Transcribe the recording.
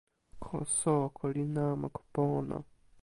ko soko li namako pona.